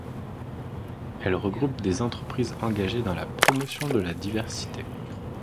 Elle regroupe des entreprises engagées dans la promotion de la diversité.